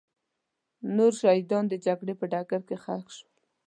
نور شهیدان د جګړې په ډګر کې ښخ شول.